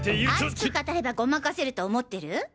熱く語ればごまかせると思ってる？